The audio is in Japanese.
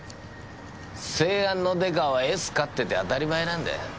生安のデカはエス飼ってて当たり前なんだよ。